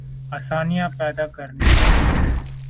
آسانیاں پیدا کرنی ہیں۔